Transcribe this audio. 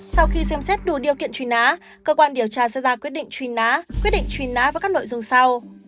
sau khi xem xét đủ điều kiện trùy ná cơ quan điều tra sẽ ra quyết định trùy ná quyết định trùy ná và các nội dung sau